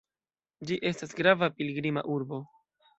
Ĝi estas grava pilgrima urbo.